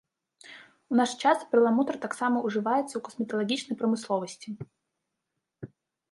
У наш час перламутр таксама ўжываецца ў касметалагічнай прамысловасці.